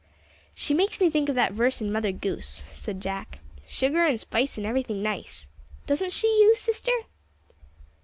"She makes me think of that verse in 'Mother Goose,'" said Jack. "'Sugar and spice and everything nice.' Doesn't she you, sister?"